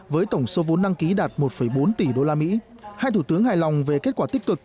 với tổng số vốn đăng ký đạt một bốn tỷ usd hai thủ tướng hài lòng về kết quả tích cực